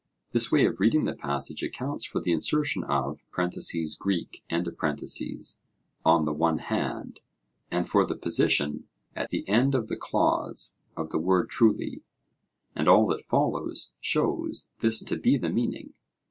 This way of reading the passage accounts for the insertion of (Greek) 'on the one hand,' and for the position at the end of the clause of the word 'truly,' and all that follows shows this to be the meaning.